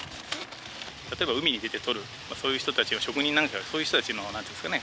例えば海に出てとるそういう人たち職人なんかがそういう人たちのなんていうんですかね